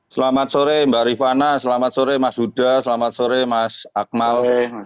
selamat sore mbak rifana selamat sore mas huda selamat sore mas akmal